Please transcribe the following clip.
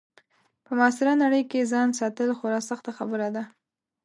په معاصره نړۍ کې ځان ساتل خورا سخته خبره ده.